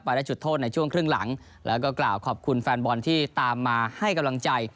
ได้จุดโทษในช่วงครึ่งหลังแล้วก็กล่าวขอบคุณแฟนบอลที่ตามมาให้กำลังใจ